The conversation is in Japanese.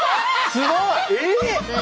すごい！